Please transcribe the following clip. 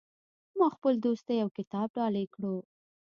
ما خپل دوست ته یو کتاب ډالۍ کړو